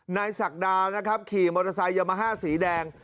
นายศักดาวน์ขี่มอเตอร์ไซต์ยามาฮ่าสีแดง